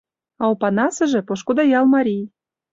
А Опанасыже — пошкудо ял марий.